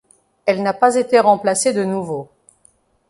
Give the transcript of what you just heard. Elle n'a pas été remplacé de nouveau.